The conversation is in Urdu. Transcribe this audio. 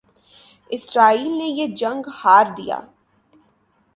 اسرائیل نے یہ جنگ ہار دیا